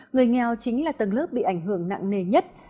người nghèo chính là tầng lớp bị ảnh hưởng nặng nề nhất